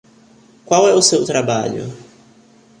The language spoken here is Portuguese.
Qual é o seu trabalho?